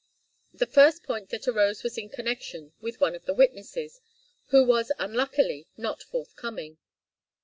The first point that arose was in connection with one of the witnesses, who was unluckily not forthcoming.